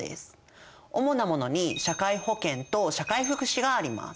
主なものに社会保険と社会福祉があります。